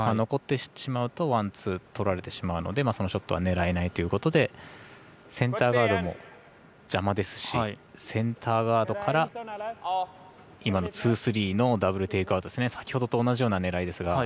残ってしまうとワン、ツーとられてしまうのでそのショットは狙えないということでセンターガードも邪魔ですしセンターガードから今のツー、スリーのダブル・テイクアウトですね。